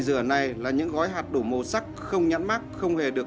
giá nào người ta cũng làm được